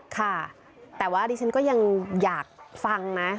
ค่ะแต่ว่าดิฉันก็ยังอยากฟังนะ